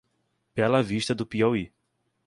Bela Vista do Piauí